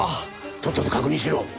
とっとと確認しろ！